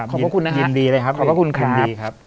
ขอบคุณกันนะคะ